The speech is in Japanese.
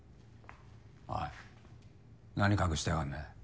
おい何隠してやがんだ。